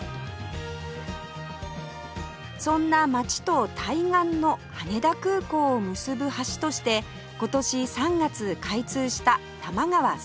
そんな街と対岸の羽田空港を結ぶ橋として今年３月開通した多摩川スカイブリッジ